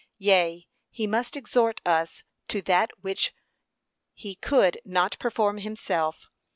Yea, he must exhort us to that which be could not perform himself.